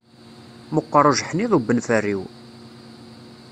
Meqqeṛ ujeḥniḍ ubenferriw.